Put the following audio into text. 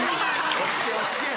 落ち着け落ち着け。